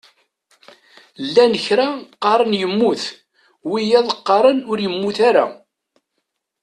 Llan kra qqaren yemmut, wiyaḍ qqaren ur yemmut ara.